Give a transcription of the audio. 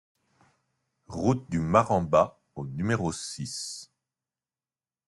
Route de Marambat au numéro six